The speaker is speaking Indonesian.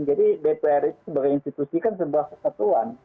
jadi dpr itu sebagai institusi kan sebuah kesatuan